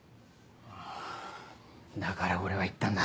はぁだから俺は言ったんだ。